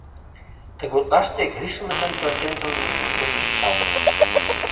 Тыгутлаште Гришмытын пӧртӧнчылнышт тул чӱкталте.